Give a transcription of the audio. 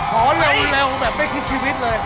หอมเราเร็วแบบไม่คิดชีวิตเลย